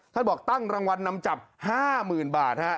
ท่านบอกตั้งรางวัลนำจับ๕๐๐๐บาท